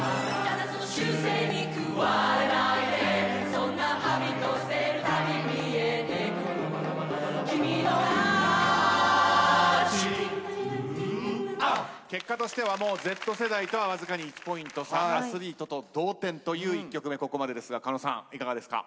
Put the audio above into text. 「そんなＨａｂｉｔ捨てる度見えてくる君の価値」結果としてはもうＺ世代とはわずかに１ポイント差アスリートと同点という１曲目ここまでですが狩野さんいかがですか？